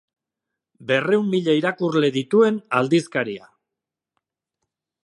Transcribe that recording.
Berrehun mila irakurle dituen aldizkaria.